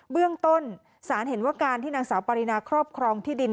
เบื้องต้นศาลเห็นว่าการที่นางสาวปรินาครอบครองที่ดิน